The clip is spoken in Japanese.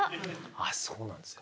あっそうなんですね。